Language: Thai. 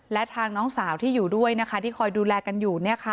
และทางน้องสาวที่อยู่ด้วยนะคะที่คอยดูแลกันอยู่